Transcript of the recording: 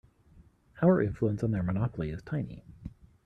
Our influence on their monopoly is tiny.